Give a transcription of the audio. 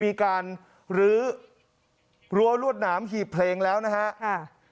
ปีการรื้อรัวรวดหนามอีกเพลงแล้วนะครับ